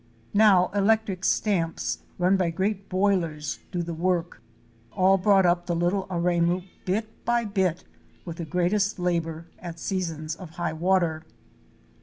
Now electric stamps, run by great boilers, do the work, all brought up the Little Aremu bit by bit, with the greatest labor, at seasons of high water.